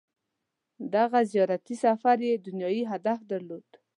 • دغه زیارتي سفر یې دنیايي هدف درلود.